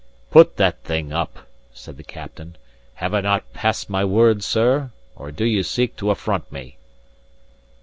"Put that thing up!" said the captain. "Have I not passed my word, sir? or do ye seek to affront me?"